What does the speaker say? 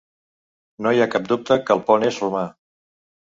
No hi ha cap dubte que el pont és romà.